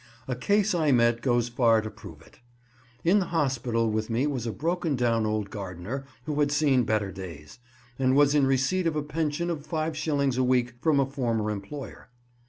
A case I met goes far to prove it. In the hospital with me was a broken down old gardener who had seen better days, and was in receipt of a pension of five shillings a week from a former employer.